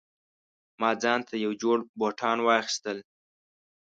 ما ځانته یو جوړ بوټان واخیستل